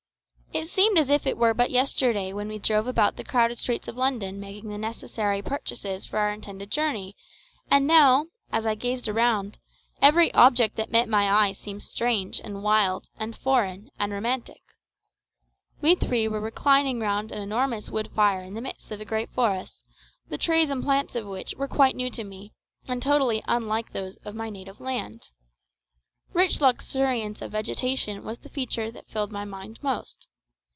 It seemed as if it were but yesterday when we drove about the crowded streets of London making the necessary purchases for our intended journey, and now, as I gazed around, every object that met my eye seemed strange, and wild, and foreign, and romantic. We three were reclining round an enormous wood fire in the midst of a great forest, the trees and plants of which were quite new to me, and totally unlike those of my native land. Rich luxuriance of vegetation was the feature that filled my mind most.